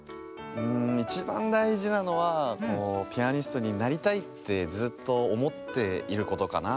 いちばんだいじなのはピアニストになりたいってずっとおもっていることかな。